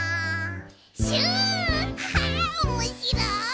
「シュおもしろい」